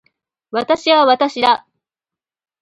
私は私だ。